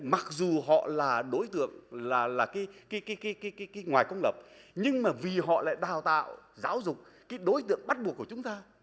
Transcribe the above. mặc dù họ là đối tượng là cái ngoài công lập nhưng mà vì họ lại đào tạo giáo dục cái đối tượng bắt buộc của chúng ta